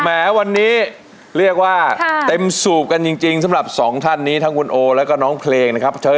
อัศวินติกว่าเต็มสูบกันจริงสำหรับสองท่านนี้ทั้งคุณโอและน้องเพลงนะครับ